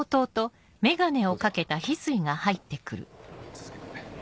続けて。